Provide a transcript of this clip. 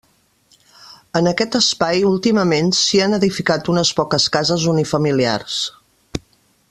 En aquest espai últimament s'hi han edificat unes poques cases unifamiliars.